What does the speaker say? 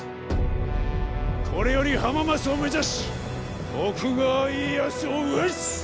これより浜松を目指し徳川家康を討つ！